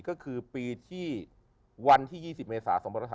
ก็คือปีที่วันที่๒๐เมษา๒๕๕๙